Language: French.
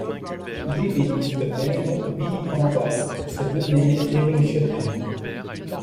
L'ébéniste maigre vilipenda ces menées révolutionnaires.